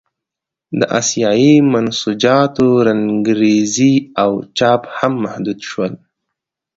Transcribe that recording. د اسیايي منسوجاتو رنګرېزي او چاپ هم محدود شول.